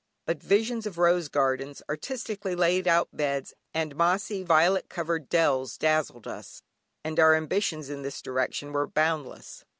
But visions of rose gardens, artistically laid out beds, and mossy violet covered dells dazzled us, and our ambitions in this direction were boundless.